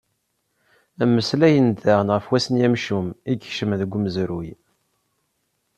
Mmeslayen-d daɣen ɣef wass-nni amcum, i ikecmen deg umezruy.